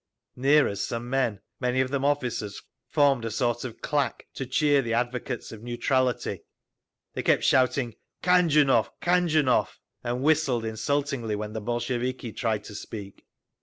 Near us some men, many of them officers, formed a sort of claque to cheer the advocates of Neutrality. They kept shouting, "Khanjunov! Khanjunov!" and whistled insultingly when the Bolsheviki tried to speak.